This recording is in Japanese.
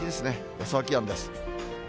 予想気温です。